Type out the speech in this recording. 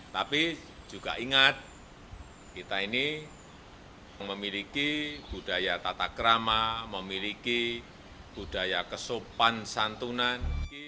tapi juga ingat kita ini memiliki budaya tata kerama memiliki budaya kesopan santunan